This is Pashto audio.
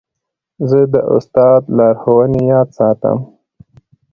زه د استاد لارښوونې یاد ساتم.